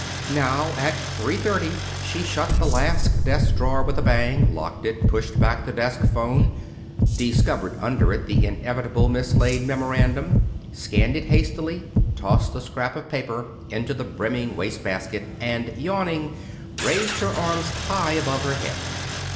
Now, at three thirty, she shut the last desk drawer with a bang, locked it, pushed back the desk phone, discovered under it the inevitable mislaid memorandum, scanned it hastily, tossed the scrap of paper into the brimming waste basket, and, yawning, raised her arms high above her head.